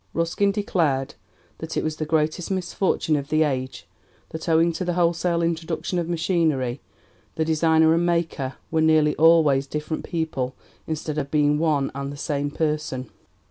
Ruskin declared that it was the greatest misfortune of the age that, owing to the wholesale introduction of machinery, the designer and maker were nearly always different people instead of being one and the same person.